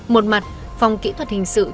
một mặt phòng kỹ thuật hình sự trực tiếp